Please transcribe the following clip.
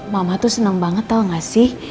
mama tuh seneng banget tau gak sih